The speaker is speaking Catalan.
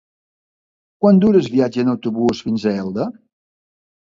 Quant dura el viatge en autobús fins a Elda?